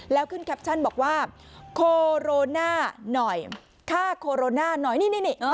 แล้วขึ้นแคปชั่นบอกว่าโคโรน่าหน่อยฆ่าโคโรนาหน่อยนี่